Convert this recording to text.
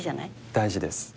大事です。